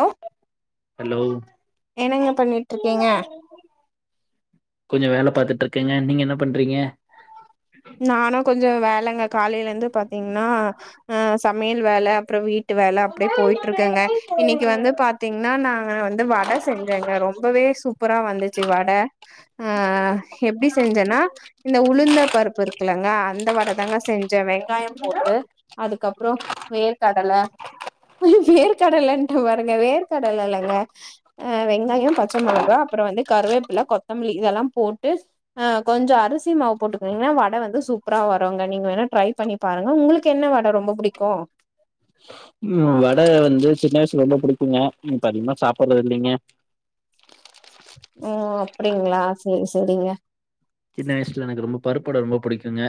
Hello hello என்னங்க பண்ணிட்டு இருக்கீங்க கொஞ்ச வேலை பாத்துட்டு்ருக்கேங்க நீங்க என்ன பண்றீங்க நானு கொஞ்ச வேலங்க காலைல இருந்து பாத்தீங்னா அ சமையல் வேல அப்றம் வீட் ட்டு வேல அப்டே போயிட்டு இருக்குங்க இன்னைக்கு வந்து பாத்து பத்தீங்னா நாங்க வந்து வட செஞ்சங்க ரொம்பவே சூப்பரா வந்துச்சு வட ஆ எப்டி செஞ்சேன்னா இந்த உளுந்த பருப் ப்ப இருக்கலங்க அந்த வடை தாங்க செஞ்ச வெங்காயம் போட்டு அதுக்கப்ரோ வேர்க்கடல ஐயோ வேர்க கடல்லன்ட்ட பாருங்க வேர்க கடல்ல இல்லங்க அ வெங்காயோ பச்ச மொளகா அப்பரோ வந்து கருவேப்பில கொத்தமல்லி இதெல்லா போட்டு ஆ கொஞ்சொ அரிசி மாவு போட்டுக்கீங்கனா வட வந்து சூப்பரா வருங்க நீங்க வேணா ட்ரை பண்ணி பாருங்க உங்ளுக்கு என்ன வட ரொம்ப புடிக்கு ம் வட வந்து சின்ன வயசுல இருந்து பிடிக்குங்க இப்ப அதிகமா சாப்ட்றது இல்லேங்க ம் அப்டிங்களா செரி செரிங்க சின்ன வயசுல எனக்கு ரொம்ப பருப்புவட ரொம்ப பிடிக்குங்க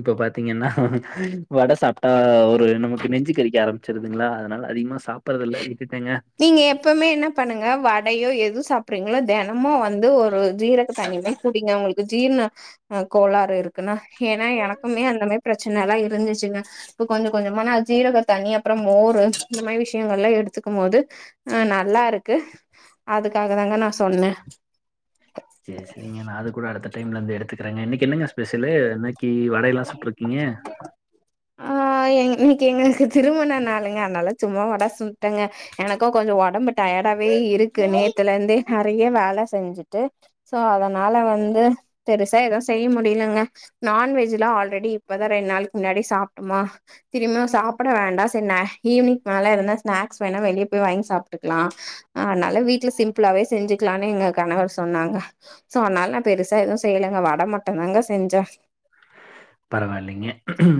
இப்ப பாத்தீங்கன்னா வட சாப்ட்டா ஒரு நமக்கு நெஞ்சு கரிக்க ஆரம் ச்சுறதுங்களா அதனால அதிகமா சாப்டுறது இல்ல விட்டுட்டேங்க நீங்க எப்பவுமே என்ன பண்ணுங்க வடையோ எது சா அப்ரீங்களா தினமு வந்து ஒரு ஜீரக தன்னி மாரி குடிங்க உங்ளுக்கு ஜீர்ண அ கோளாறு இருக்குன்னா ஏன்னா எனக்குமே அந்த மாரி பிரச்சனல்லா இருந்துச்சுங்க இப்ப கொஞ்சொ கொஞ்சமா நா ஜீரக தண்ணி அப்ரோ மோரு இந்த மாரி விஷயங்கள் எல்லா எடுத்துக்கும் போது ஆ நல்லா இருக்கு அதுக்காக தாங்க நான் சொன்னே சேரி சேரிங்க நா அது கூட அடுத்த டைம்ல இருந்து எடுத்துக்கறேங்க இன்னைக்கு என்னங்க ஸ்பெஷலு கீ வடையல்லா சுட்டுருக்கீங்க ஆ இன்னைக்கு எங்களுக்கு திருமண நாளுங்க அதனால சும்மா வட சுட்டேங்க எனக்கு கொஞ்சொ உடம்பு டயர்டாவே இருக்கு நேத்துல இருந்தே நெறைய வேல செஞ்சுட்டு சோ அதனால வந்து பெருசா எது செய்ய முடியலுங்க நான்வெஜ் நான்வெஜ்லா ஆல்ரெடி இப்பதா ரெண்டு நாளைக்கு முன்னாடி சாப்ட்டுமா திருமியு சாப்பட வேண்டா சரி ஈவினிங் மேல இருந்தா ஸ்நாக்ஸ் வேணா வெளிய போய் வாங்கி சாப் க்கலா அதனால வீட்ல சிம்பிளாவே செஞ்சுக்கலானு எங்க கணவர் சொன்னாங்க சோ அதனால நா பெருசா எது செய்யலுங்க வட மட்டுந்தாங்க செஞ்சே பரவாயில்லைங்க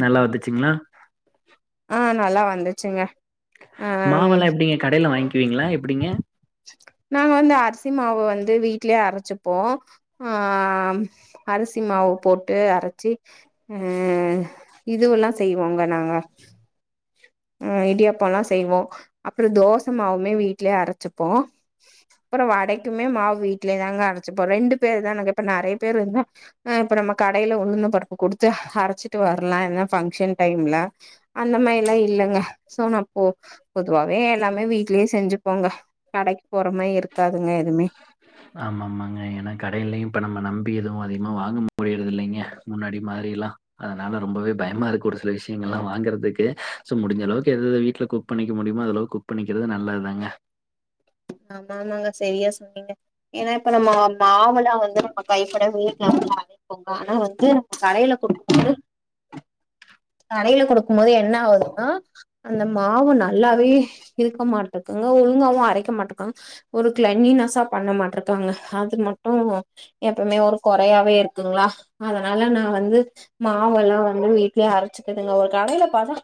நல்லா வந்துச்சுங்களா ஆ நல்லா வந்துச்சுங்க அம் மாவெல்லா எப்டிங்க கடையில வாங்கிக்வீங்களா எப்டிங்க ந வந்து அரிசி மாவு வந்து வீட்லயே அரைச்சுப்போ ஆம் அரிசி மாவு போட்டு அரைச்சி ம் இதுவெல்லா செய்வோங்க நாங்க ம் இடியாப்போலா செய்வோ அப்ரோ தோச மாவுமே வீட்லேயே அரைச்சிப்போ அப்புரோ வடைக்குமே மாவு வீடலேயேதாங்க அரைச்சுப்போ ரெண்டு பேரு தானங்க இப்ப நெறைய பேர் இருந்தா ஆ இப்ப நம்ம கடையில உளுந்தம்பருப்பு குடுத்து அரைச்சிட்டு வரலா எதுனா பங்க்ஷன் டைம்ல அந்த மாரில்லா இல்லைங்க சோ நப்போ பொதுவாவே எல்லாமே வீட்லயே செஞ்சுப்போங்க கடைக்கு போறமாய் இருக்காதுங்க எதுமே ஆமா ஆமாங்க ஏன்னா கடையிலயு இப்ப நம்ம நம்பி எதுவு அதிகமா வாங்க முடியறது இல்லைங்க முன்னாடி மாரில்லா அதனால ரொம்பவே பயமா இருக்கு ஒரு சில விஷயங்கள்லா வாங்கறதுக்கு சோ முடிஞ்சளவுக்கு எது எத வீட்ல குக் குக் பண்ணிக்க முடியுமோ அந்த அளவு குக் பண்ணிக்கிறது நல்லதுதாங்க நல்லத்தாங்க சரியா சொன்னீங்க ஏன்னா இப்ப நம்ம மாவுலா வந்து நம்ம கைப்படவே [inaudible] கலப்போங்க ஆனா வந்து கடையில குடுக்குறது கடையில குடுக்கும் போது என்ன ஆகுதுன்னா அந்த மாவு நல்லாவே இருக்க மாட்டேக்குங்க ஒழுங்காவு அரைக்க மாட்டேக்காங்க ஒரு கிளன்னினஸா பண்ண மாட்டர்கங்க அது மட்டு எப்பவுமே ஒரு கொறையாவே இருக்குங்களா அதனால நா வந்து மாவெல்லா வந்து வீட்லயே அரைச்சுக்குனுங்க ஒரு கடையில பாத்தா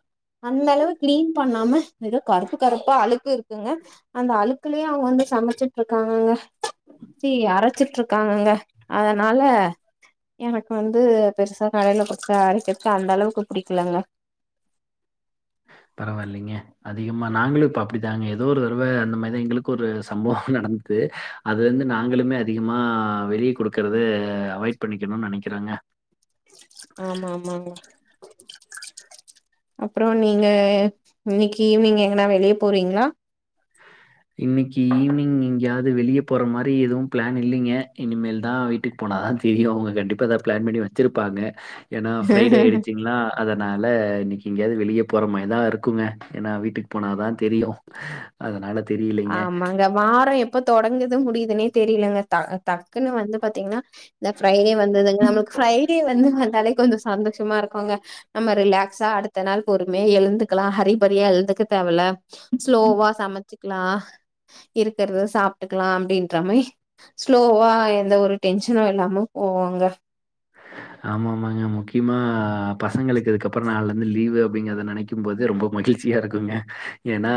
அந்தளவு கிரீம் பண்ணாம ஏதோ கருப்பு கருப்பா அழுக்கு இருக்குங்க அந்த அழுக்குலயே அவுங்க வந்து சமைச்சிட்டு இருக்காங்கங்க மிக்சி அரைச்சிட்டு இருக்காங்கங்க அதனால எனக்கு வந்து பெர்சா கடையில குடுத்து அரைக்கிறதுக்கு அந்த அளவுக்கு பிடிக்கலங்க பரவாயில்லிங்க அதிகமா நாங்களும் இப்ப அப்டித்தாங்க எதோ ஒரு தடவ அந்த மாரிதா எங்களுக்கு ஒரு சம்பவொ நடந்துது அது வந்து நாங்களுமே அதிகமா வெளிய குடுக்குறது அவாய்ட் பண்ணிக்கணுன் நெனக்கிறேங்க ஆமா ஆமாங்க அப்புறோ நீங்க இன்னைக்கு ஈவினிங் எங்கனா வெளிய போறீங்களா இன்னைக்கு ஈவினிங் எங்கயாது வெளிய போற மாரி எதுவு பிளான் இல்லைங்க இனிமேல் தா வீட்டுக்கு போனாதா தெரியு அவங்க கண்டிப்பா எதாவது பிளான் பண்ணி வச்சிருப்பாங்க ஏன்னா ஃப்ரைடே ஆகிடுச்சிங்ளா அதனால இன்னைக்கு எங்காயது வெளிய போற மாரி தா இருக்குங்க ஏன்னா வீட்டுக் போனாதா தெரியு அதனால தெரியலைங்க. ஆமாங்க வாரோ எப்ப தொடங்குது முடியுதுனே தெரியலங்க டக்குன்னு வந்து பாத்தீங்கன்னா இந்த ஃப்ரைடே வந்ததுங்க நம்மளுக்கு ஃப்ரைடே வந்து வந்தாலே கொஞ்சொ சந்தோஷமா இருக்குங்க நம்ம ரிலாக்ஸா அடுத்த நாள் பொறுமயா எழுந்துக்கலா ஹரி பரியா எழுந்துக்க தேவல்ல ஸ்லோவா சமைச்சுக்கலா இருக்கறத சாப்ட்டுக்கலா அப்டின்ற மாய் ஸ்லோவா எந்த ஒரு டென்ஷனு இல்லாம போவோங்க ஆமாமாங்க முக்கியமா பசங்களுக்கு அதுக்கப்புற நால்லருந்து லீவு அப்டிங்குறத நெனைக் கும்போது ரொம்ப மகிழ்ச்சியா இருக்குங்க ஏன்னா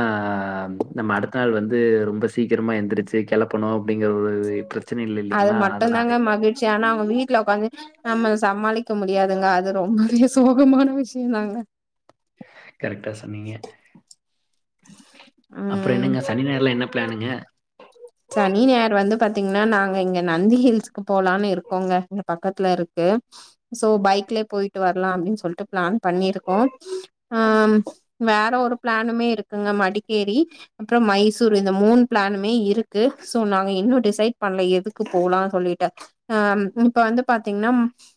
நம்ம அடுத்த நாள் வந்து ரொம்ப சீக்கிரமா எந்திரிச்சு கெளப்பணு அப்டிங்கற ஒரு இன்ட்ரஸ் அது மட்டுந்தாங்க மகிழ்ச்சி ஆனா அவ வீட்ல உக்காந்து நம்ம சமாளிக்க முடியாதுங்க அது ரொம்பவே சோகமான விஷயந்தாங்க கரெக்டா சொன்னீங்க அப்புற ம் என்னங்க சனி நாயிறுல என்ன பிளானுங்க சனி நாயிறு வந்து பாத்தீங்கன்னா நாங்க இங்க நந்தி ஹில்ஸ்க்கு போலான்னு இருக்கோங்க இங்க பக்கத்துல இருக்கு சோ பைக்லே போய்ட்டு வர்லா அப்டின்னு சொல்லிட்டு பிளான் பண்ணிருக்கோம் ஆ வேற ஒரு பிளானுமே இருக் இருக்குங்க மடிக்கேரி அப்புறொ மைசூரு இந்த மூனு பிளானுமே இருக்கு சோ நாங்க இன்னும் டிசைட் பண்ல எதுக்கு போலான் சொல்லிட்டு ஆ இப்ப வந்து பாத்தீங்கன்னா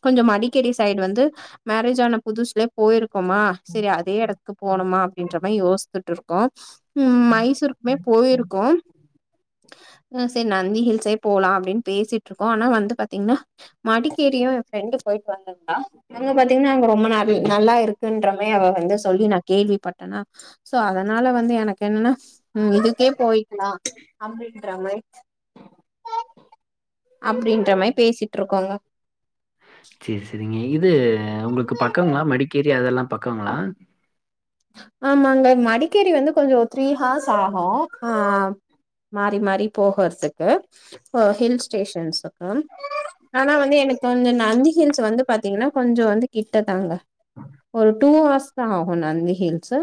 கொஞ்ச மடிக்கேடி சைடு வந்து மேரேஜ் ஆன புதுசுல போயிருக்கோமா சரி அதே எடத்துக்கு போனுமா அப்டின்ற மாரி யோசித்துட்ருக்கோ உம் மைசூருக்குமே போயிருக்கோ ஆ சேரி நந்தி ஹூல்ஸே போலா அப்டின் பேசிட் இருக்கோ ஆனா வந்து பாத்தீங்கன்னா மடிக்கேரியு ப்ரண்டு போய்ட் வந்துர்தா அங்க பாத்தீங்கன்னா அங்க ரொம்பநே நல்லா இருக்குன்றமாய் அவ வந்து சொல்லி நா கேள்விப்பட்டேனா சோ அதனால வந்து எனக்கு என்னன்னா உ இதுக்கே போயிக்கலா அப்டின்றாங்களே அப்டின்ற மாரி பேசிட்டு இருக்கோங்க சேரி சரிங்க இது உங்களுக்கு பக்கங்களா மடிக்கேரி அதெல்லா பக்கங்களா ஆமாங்க மடிக்கேரி வந்து கொஞ்ச த்ரீ ஹர்ஸ் ஆகு ஆ மாறி மாறி போகதுக்கு ஹில் ஸ்டேஷன்ஸக்கு ஆனா வந்து எனக்கு கொஞ்ச நந்தி ஹில்ஸ் வந்து பாத்தீங்கன்னா கொஞ்ச வந்து கிட்டதாங்க ஒரு டூ ஹர்ஸ் தா ஆகு நந்தி ஹீல்ஸ்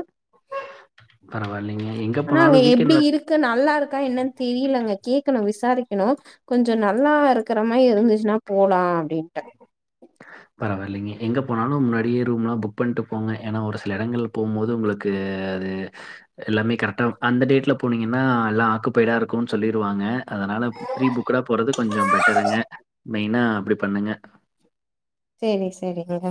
பரவாயில்லைங்க. எங்க ஆனா அங்க போனாலும் எப்டி வீக்கெண்ட்ல இருக் க்கு நல்லா இருக்கா என்னன் தெரியலங்க கேக்கணும் விசாரிக்கணும் கொஞ்ச நல்லா இருக்கிற மாரி இருந்துச்சுன்னா போலாம் அப்டின்ட்டு பரவாயில்லைங்க எங்க போனாலு முன்னாடியே ரூம் எல்லா புக் பண்ணிட்டு போங்க ஏன்னா ஒரு சில இடங்கள்ல போம்போது உங்களுக் க்குது அது எல்லாமே கரெக்டா அந்த டேட்ல போனீங்கன்னா எல்லா ஆக்குபைடா இருக்கும்ன்னு சொல்லிருவாங்க அதனால ப்ரீ புக்கடா போறது கொஞ்ச பெட்டருங்க மெயினா அப்டி பண்ணுங்க செரி செரிங்க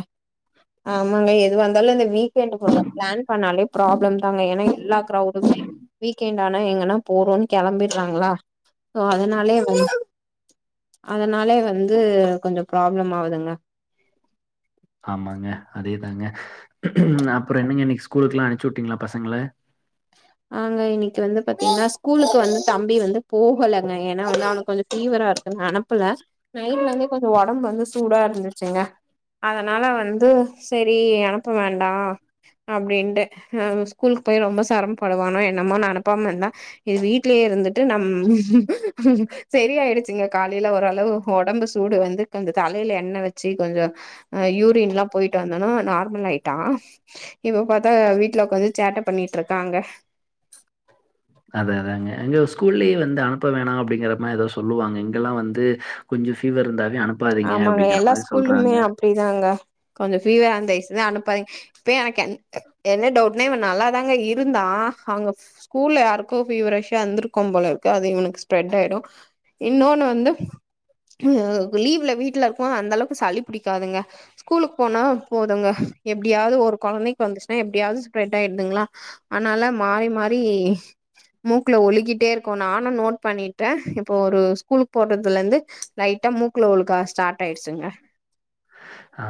ஆமாங்க எதுவ வந்தாலு இந்த வீக்என்டு பிளான் பண்ணாலு ப்ராப்ளம் தாங்க ஏன்னா எல்லா க்ரௌடும்மே வீக்எண்ட் ஆனா எங்கன்னா போறோன்னு கிளம்பிடுறாங்களா சோ அதனாலே இப்ப அதனாலே வந்து கொஞ்ச ப்ராப்ளம் ஆகுதுங்க ஆமாங்க அதே தாங்க ம் அப்றோ என்னங்க இன்னைக் ஸ்கூல்குலா அனுப்ச்சுட்டீங்ளா பசங்கள ஆங்க இன்னைக்கு வந்து பாத்தீங்னா ஸ்கூலுக்கு வந்து தம்பி வந்து போகலங்க ஏன்னா வந்து அவனுக் கொஞ் ஃபீவரா இருக்குன்னு அனுப்பல நைட்ல இருந்தே கொஞ்சோ உடம்பு வந்து சூடா இருந்துச்சுங்க அதனால வந்து சேரி அனுப்ப வேண்டா அப்டின்டு ஸ்கூல்க்கு போய் ரொம்ப செரமப்படுவானோ என்னமோ நா அனுப்பாம இருந்த இது வீட்லயே இருந்துட்டு நம் [unintelligible] செரிய ஆயிருச்சுங்க காலைல ஓரளவு உடம்பு சூடு வந்து கொஞ்சோ தலையில எண்ண வச்சு கொஞ்சோ அ யூரின்லா போயிட்டு வந்தோன நார்மல் ஆயிட்டா இப்ப பாத்தா வீட்டுல ஒக்காந்து சேட்ட பண்ணிட்ருக்காங்க அது அதாங்க இங்க ஸ்கூல்லேயே வந்து அனுப்ப வேணா அப்டிங்கற மாரி ஏதோ சொல்லுவாங்க இங்கெல்லா வந்து கொஞ்சோ ஃபீவர்ருந்தாவே அனுப்பாதீங்க ஆமாங்க அப்டிங்கிற எல்லா மாரி ஸ்கூல்லுமே சொல்றாங்க அப்டிதாங்க கொஞ்சம் ஃபீவரா இருந்தா தயவ்செங் அனுப்பாதிங்க இப்பே எனக்கென் என்ன டவுட்னா இவ நல்லாதாங்க இருந்தா அங்க ஸ்கூல்ல யாருக்கோ ஃபீவரிஷா இருந்திருக்கு போலர்க்கு அது இவனுக்கு ஸ்பரெட் ஆயிடு இன்னோனு வந்து [unintelligible] லீவ்ல வீட்ல இருப்போ அந்த அளவுக்கு சளி புடிக்காதுங்க கூலுக்கு போனா போதுங்க எப்டியாவது ஒரு கொழந்தைக்கு வந்துஸ்னா எப்டியாவது ஸ்பரட் ஆயிடுதுங்களா அனால மாறி மாறி மூக்ல ஒழுகிட்டேருக்கு நானு நோட் பண்ணிட்டே இப்போ ஒரு ஸ்கூலுக்கு போறதுலேர்ந்து லைட்டா மூக் க்ல ஒழுக ஸ்டாட் ஆயிடுச்சுங்க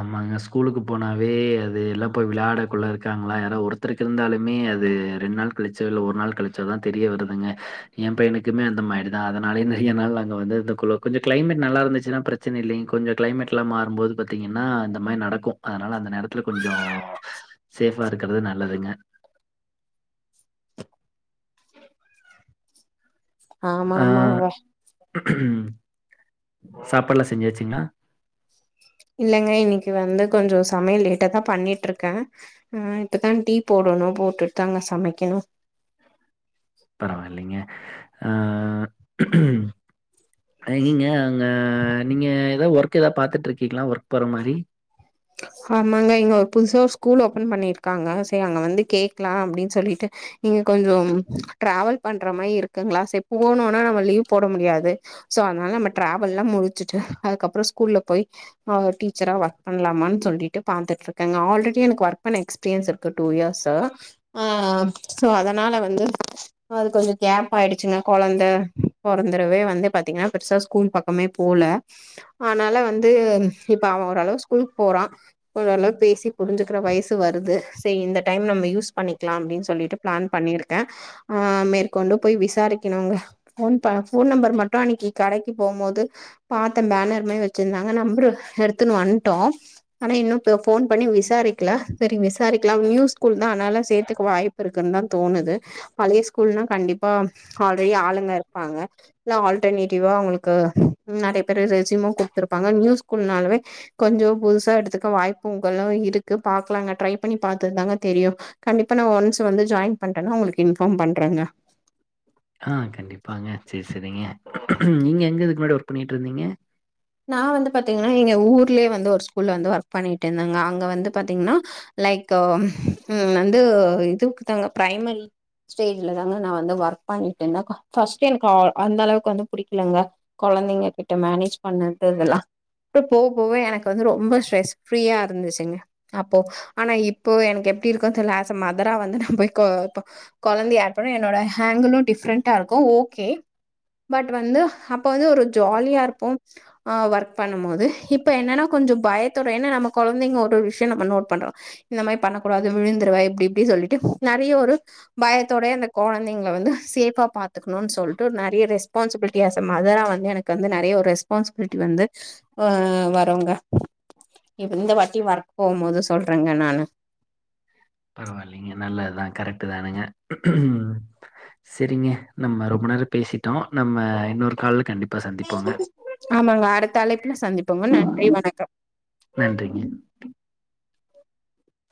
நம்மங் ஸ்கூலுக்கு போனாவே அது எல்லா போய் விளையாட கொள்ள இருக்காங்களா ஒருத்தருக்கு இருந்தாலுமே அது ரெண் நாள் கழிச்ச இல் ஒரு நாள் கழிச்சோ தா தெரிய வருதுங்க என் பையனுக்குமே அந்த மாரி தா அதனாலே நெறைய நாள் நாங்க வந்து இந்த குழு கொஞ்சோ க்ளைமேட் நல்லா இருந்துச்சுச்சனா ப்ரசன இல்லேங்க கொஞ்சோ கிளைமேட்லா மாறும்போது பாத்தீங்னா இந்த இன் மாரி நடக்கு அதனால அந்த நேரத்துல கொஞ்சோ சேஃபாருக்கிறது நல்லதுங்க ஆமா ஆமாங்க ம் சாப்பாடுல்லா செஞ்சாசுங்ளா இல்லேங்க இன்னிகி வந்து கொஞ்சோ சமையல் லேட்டா தா பண்ணிட்ருக்கே ம் இப்பதா டீ போடணு போட்டுட்டு தாங்க சமைக்கணு பரவாயில்லைங்க ஆ அன்னைக்கிங்க நீங்க ஏதா ஒர்க் ஏதா பாத்துட்ருக்கீங்களா ஒர்க் போற மாரி ஆமாங்க இங்க ஒரு புதுசா ஸ்கூல் ஓபன் பண்ணிருக்காங்க செர் அங்க வந்து கேக்லா அப்டின் சொல்லிட்டு இங்க கொஞ்சோ ட்ராவல் பண்ற மாரி இருக்குங்ளா சோ போனோன நம்ம லீவ் போட முடியாது சோ அனால நம்ம ட்ராவல்லா முடிச்சுட்டு அதுக்கப்புறோ ஸ்கூல்ல போய் அ டீச்சரா ஓர்க் பண்ணலாமான் சொல்லிட்டு பாத்துட்ருக்கேங்க ஆல்ரெடி எனக்கு ஒர்க் பண்ண எக்ஸ்பீரியன்ஸ் இருக்கு டூ இயர்ஸு ஆ சோ அதனால வந்து அது கொஞ்சோ கேப்பாயிடுச்சுங்க கொழந்த பொறந்தரவே வந்து பாத்தீங்னா பெருசா ஸ்கூல் பக் க்கமே போல ஆனால வந்து இப்ப அவே ஓரளவு ஸ்கூலுக் போறா ஓரளவு பேசி புரிஞ்சிக்கிற வயசு வருது சேரி இந்த டைம் நம்ம யூஸ் பண்ணிக்லா அப்டின் சொல்லிட்டு பிளான் பண்ணிருக்கே ஆ மேற்கொண்டு போய் விசாரிக்கணுங்க ஃபோன்ப ஃபோன் நம்பர் மட்டு அன்னைக்கி கடைக்கி போம்போது பாத்த பேனர் மேரி வச்சிருந்தாங்க நம்புரு எடுத்துன் வந்டோ ஆனா இன்னு ப ஃபோன் பண்ணி விசாரிக்கில செரி விசாரிக்லா நியூ ஸ்கூல்தா அனால சேத்துக்க வாய்ப் வாய்ப்பு இருக்குன் தா தோணுது பழைய ஸ்கூல்னா கண்டிப்பா ஆல்ரெடி ஆளுங்க இர்பாங்க இல்ல ஆல்டர்னேட்டிவா அவுங்களுக்கு நறைய பேரு ரெசியுமு குடுத்துருப்பாங்க நியூ ஸ்கூல்னாலவே கொஞ்சோ புதுசா எடுத்துக்க வாய்ப்புங்களு இருக்கு பாக்லாங்க ட்ரை பண்ணி பாத்தாதாங்க தெரியு கண்டிப்பா நா ஒன்ஸ் வந்து ஜாயின் பண்றேனா உங்ளுக்கு இன்ஃபார்ம் பண்றங்க ஆ கண்டிப்பாங்க சேரி சேரிங்க நீங்கே எங்க இதுக்கு முன்னாடி ஒர்க் பண்ணிக்கிட்ருந்தீங்க நா வந்து பாத்தீங்னா எங்க ஊர்லே வந்து ஒரு ஸ்கூல்ல வந்து ஒர்க் பண்ணிட்ருந்தேங்க அங்க வந்து பாத்தீங்னா லைக்கு ம் ம் வந்து இதுக்குட்தாங்க பிரைமரி ஸ்டேஜ்ல தாங்க நா வந்து ஒர்க் பண்ணிட்டுருந்த க ஃபஸ்ட் எனக்கு அ அந்த அளவுக்கு வந்து புடிக்கலங்க கொழந்தைங்க கிட்ட மேனேஜ் பண்ணது இதல்லா ட்டு போவ போவ எனக்கு வந்து ரொம்ப ஸ்ட்ரெஸ் ஃப்ரீயா இருந்துச்சுங்க அப்போ ஆனா இப்போ எனக்கு எப்டி இருக்கு தெர்ல ஆஸ் அ மதரா வந்து நா போய் கொ ப்ப கொழந்தை ஆட் பண்ண என்னோட ஹேங்கலு டிஃப்ரெண்டாருக்கு ஓகே பட் வந்து அப்ப வந்து ஒரு ஜாலியாருப்போ அ ஒர்க் பண்ணும்போது இப்ப என்னன்னா கொஞ்சோ பயத்தோட ஏன்னா நம்ம கொழந்தைங்க ஒருவோரு விஷ்யோ நம்ம நோட் பண்றோ இந்த மாரி பண்ணக்க கூடாது விழுந்துருவ இப்டி இப்டி சொல்லிட்டு நறைய ஒரு பயத்தோட அந்த கொழந்தைங்கள வந்து சேஃபா பாத்துக்குணுன் சொல்ட்டு நறைய ரெஸ்பான்சிபிலிட்டிா அஸ் அ மதரா வந்து எனக் கு வந்து நறைய ஒரு ரெஸ்பான்சிபிலிட்டி வந்து வ வருங்க இப் இந்த வாட்டி ஒர்க் போகும்போது சொல்றங்க நானு பரவால்லிங்க நல்லதுதா கரெக்ட்டு தானங்க செரிங்க நம்ம ரொம்ப நேரோ பேசிட்டோ நம்ம இன்னொரு கால்ல கண்டிப் ஆமாங்க அடுத்த அலைப்புல சந்திப்போங்க நன்றி வணக்கம் நன்றிங்க